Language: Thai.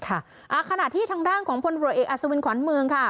ขณะที่ทางด้านของพลตรวจเอกอัศวินขวัญเมืองค่ะ